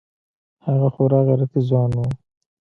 هغه خورا غيرتي ځوان و.